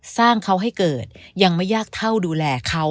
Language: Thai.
สร้างเขาให้เกิดยังไม่ยากเท่าดูแลเขา